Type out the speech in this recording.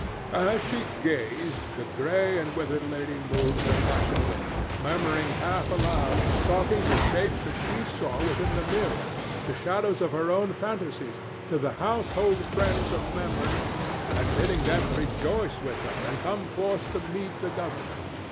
As she gazed the gray and withered lady moved her ashen lips, murmuring half aloud, talking to shapes that she saw within the mirror, to shadows of her own fantasies, to the household friends of memory, and bidding them rejoice with her and come forth to meet the governor.